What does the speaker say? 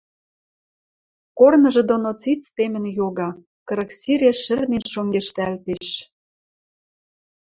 корныжы доно циц темӹн йога, кырык сиреш шӹрнен шонгештӓлтеш.